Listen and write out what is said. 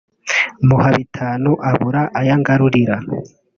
muha bitanu abura ayo angarurira